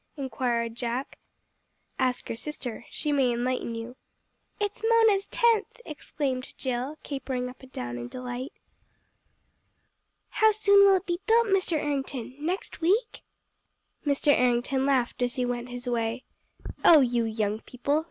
inquired Jack. "Ask your sister. She may enlighten you." "It is Mona's tenth!" exclaimed Jill, capering up and down in delight. "How soon will it be built, Mr. Errington, next week?" Mr. Errington laughed as he went his way. "Oh, you young people!